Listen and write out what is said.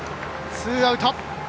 ツーアウト。